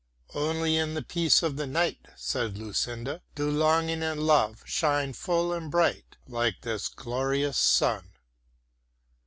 "Only in the peace of the night," said Lucinda, "do longing and love shine full and bright, like this glorious sun."